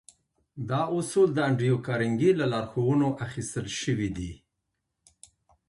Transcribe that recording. دا اصول د انډريو کارنګي له لارښوونو اخيستل شوي دي.